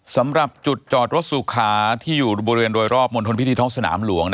สำหรับจุดจอดรถสุขาที่อยู่บริเวณโดยรอบมณฑลพิธีท้องสนามหลวง